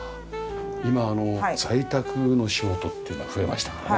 今在宅の仕事っていうのが増えましたからね。